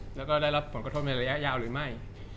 จากความไม่เข้าจันทร์ของผู้ใหญ่ของพ่อกับแม่